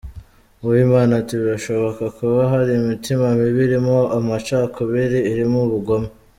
Uwimana ati “Birashoboka kuba hari imitima mibi irimo amacakubiri , irimo ubugome.